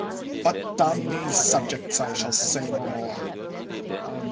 But on these subjects I shall say no more.